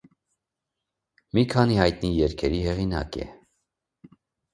Մի քանի հայտնի երգերի հեղինակ է։